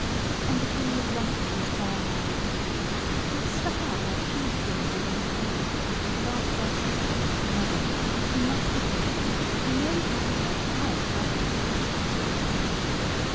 And the King would rumple his fair hair with his hands till it stuck out like cheese straws under his crown, and answer— "My dear, you must be patient; you know we had the very highest references."